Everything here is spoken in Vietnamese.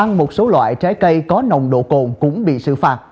nhưng một số loại trái cây có nồng độ cồn cũng bị xử phạt